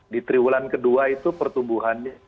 di triwulan kedua itu pertumbuhannya